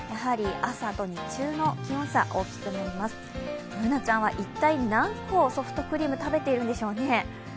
Ｂｏｏｎａちゃんは一体何個ソフトクリームを食べているんでしょうね？